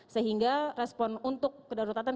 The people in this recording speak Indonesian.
sehingga respon untuk kedaruratan